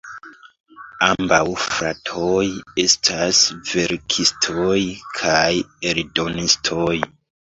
Ambaŭ fratoj estas verkistoj kaj eldonistoj.